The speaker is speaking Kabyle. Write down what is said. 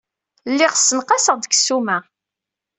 Lliɣ ssenqaseɣ-d deg ssuma.